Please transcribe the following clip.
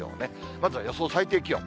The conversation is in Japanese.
まずは予想最低気温。